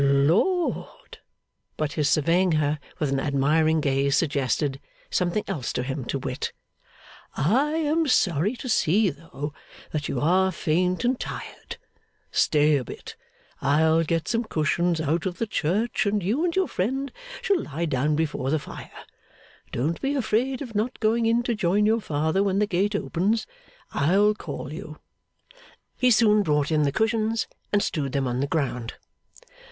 'Lord!' But his surveying her with an admiring gaze suggested Something else to him, to wit: 'I am sorry to see, though, that you are faint and tired. Stay a bit. I'll get some cushions out of the church, and you and your friend shall lie down before the fire. Don't be afraid of not going in to join your father when the gate opens. I'll call you.' He soon brought in the cushions, and strewed them on the ground.